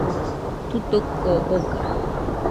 Tutuko oga